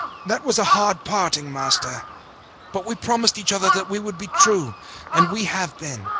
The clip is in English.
That was a hard parting, Master. But we promised each other that we would be true, and we have been.